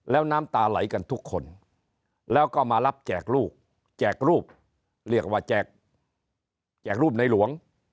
แล้วน้ำตาไหลกันทุกคนแล้วก็มารับแจกลูกแจกรูปเรียกว่าแจกรูปในหลวง